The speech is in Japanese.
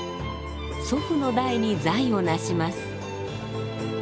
祖父の代に財を成します。